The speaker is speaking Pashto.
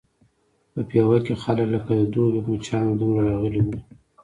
په پېوه کې خلک لکه د دوبي مچانو دومره راغلي وو.